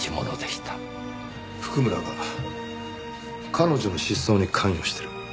譜久村が彼女の失踪に関与してる？